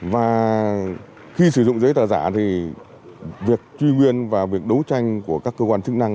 và khi sử dụng giấy tờ giả thì việc truy nguyên và việc đấu tranh của các cơ quan chức năng